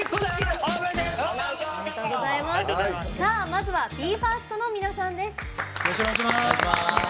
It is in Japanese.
まずはＢＥ：ＦＩＲＳＴの皆さんです。